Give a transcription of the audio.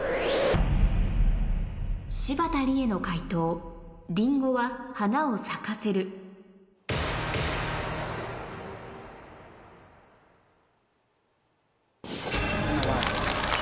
柴田理恵の解答リンゴは花を咲かせる花はある。